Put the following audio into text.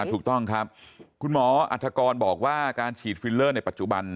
ถูกต้องครับคุณหมออัฐกรบอกว่าการฉีดฟิลเลอร์ในปัจจุบัน